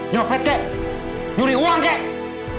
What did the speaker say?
nyopet kek duri uang kek